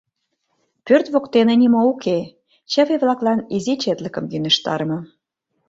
Пӧрт воктене нимо уке, чыве-влаклан изи четлыкым йӧнештарыме.